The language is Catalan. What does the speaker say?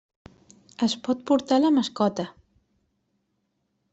Es pot portar la mascota.